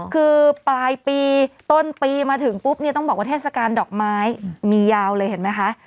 คือปลายปีต้นปีมาถึงปุ๊บเนี่ยต้องบอกว่าเทศกาลดอกไม้มียาวเลยเห็นไหมคะ